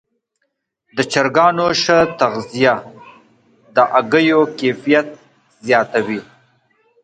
د چرګانو ښه تغذیه د هګیو کیفیت زیاتوي.